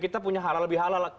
kita punya halal lebih halal